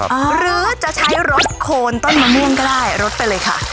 หรือจะใช้รถโคนต้นมะม่วงก็ได้รถไปเลยค่ะ